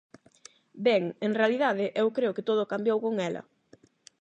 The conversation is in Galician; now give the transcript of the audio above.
Ben, en realidade, eu creo que todo cambiou con ela.